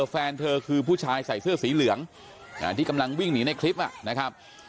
แฟนเธอคือผู้ชายใส่เสื้อสีเหลืองที่กำลังวิ่งหนีในคลิปนะครับ